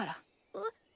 えっ？